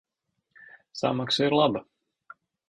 Samaksa ir laba.